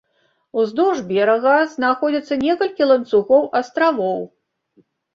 Уздоўж берага знаходзяцца некалькі ланцугоў астравоў.